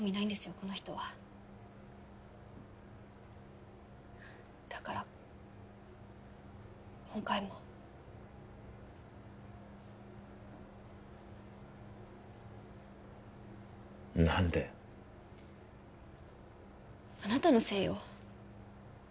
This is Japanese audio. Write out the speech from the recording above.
この人はだから今回も何だよあなたのせいよ